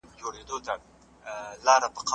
د خلګو وړتیاوي سره توپیر لري.